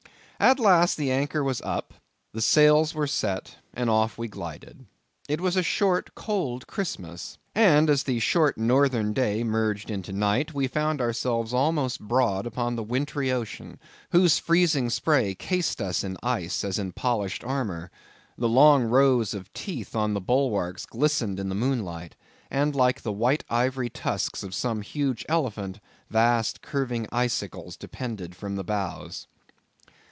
At last the anchor was up, the sails were set, and off we glided. It was a short, cold Christmas; and as the short northern day merged into night, we found ourselves almost broad upon the wintry ocean, whose freezing spray cased us in ice, as in polished armor. The long rows of teeth on the bulwarks glistened in the moonlight; and like the white ivory tusks of some huge elephant, vast curving icicles depended from the bows.